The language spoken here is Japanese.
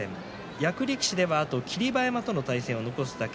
役力士では、あと霧馬山との対戦を残すだけ。